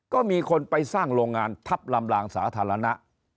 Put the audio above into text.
ก็มีคนไปสร้างโรงงานทับลำลางสาธารณะ